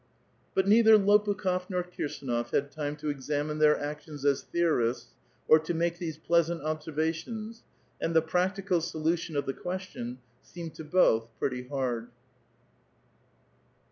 But neither Lopukh6f nor Kirsdnof had time to examine their actions as theorists, or to make these pleasant obser vations ; and the practical solution of the question seemed to both pretty hard.